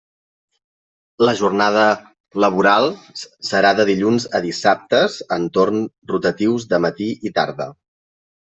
La jornada laboral serà de dilluns a dissabtes, en torn rotatius de matí i tarda.